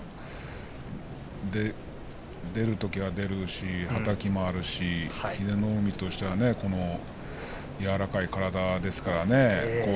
東白龍としては出るときは出るはたきもある英乃海としては柔らかい体ですからね